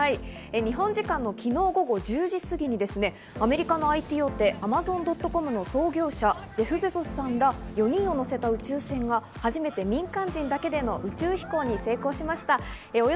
日本時間の昨日午後１０時すぎにアメリカのＩＴ大手アマゾン・ドット・コムの創業者、ジェフ・ベゾスさんら４人にも乗せた宇宙船が初めて民間人だけの宇宙飛行に成功しました。